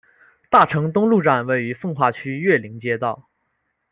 大成东路站位于奉化区岳林街道。